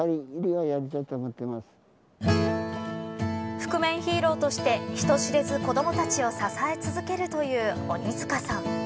覆面ヒーローとして人知れず子どもたちを支え続けるという鬼塚さん。